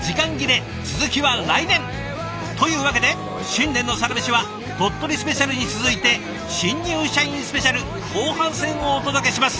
続きは来年！というわけで新年の「サラメシ」は「鳥取スペシャル」に続いて「新入社員スペシャル」後半戦をお届けします。